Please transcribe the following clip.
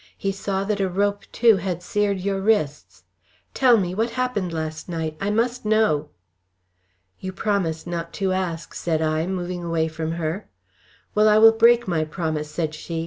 He saw that a rope too had seared your wrists. Tell me! What happened last night? I must know!" "You promised not to ask," said I, moving away from her. "Well, I break my promise," said she.